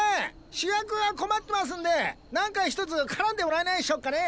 主役が困ってますんで何かひとつ絡んでもらえないっしょっかねえ？